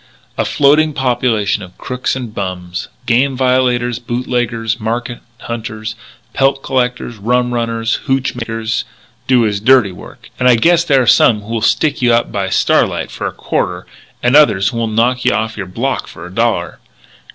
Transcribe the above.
A floating population of crooks and bums game violators, boot leggers, market hunters, pelt 'collectors,' rum runners, hootch makers, do his dirty work and I guess there are some who'll stick you up by starlight for a quarter and others who'll knock your block off for a dollar....